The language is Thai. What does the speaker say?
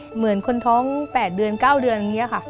เหมือนคนท้อง๘เดือน๙เดือนอย่างนี้ค่ะ